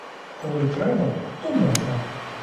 Коли треба, то можна.